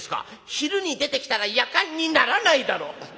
「昼に出てきたら『やかん』にならないだろ。